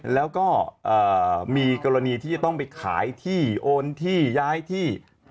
แล้วก็มีกรณีที่จะต้องไปขายที่โอนที่ย้ายที่